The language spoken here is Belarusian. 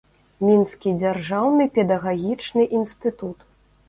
Мінскі дзяржаўны педагагічны інстытут.